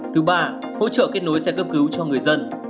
thứ ba hỗ trợ kết nối xe cấp cứu cho người dân